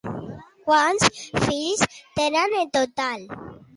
Quants fills tenen en total?